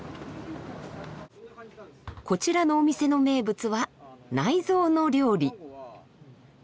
こちらのお店の名物は内臓の料理。